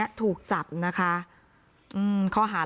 ลักษณ์มากกว่า